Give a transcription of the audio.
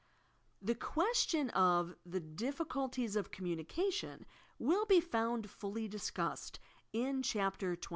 The question of the "difficulties of communication" will be found fully discussed in Chapter XXIX.